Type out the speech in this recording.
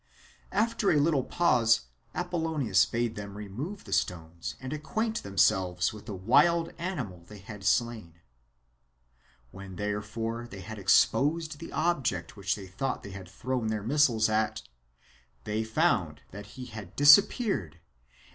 After a little pause Apollonius bade them remove the stones and acquaint themselves with the wild animal which they had slain. When therefore they had exposed the object which they thought they. had. thrown their missiles, at, they found that he had disappeared and.